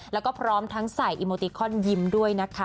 แล้วก็พร้อมทั้งใส่อีโมติคอนยิ้มด้วยนะคะ